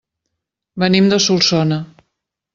Venim de Solsona.